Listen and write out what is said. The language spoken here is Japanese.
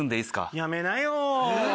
やめなよ。